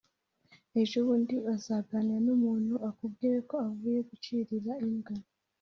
ejobundi uzaganira n’umuntu akubwire ko avuye gucirira imbwa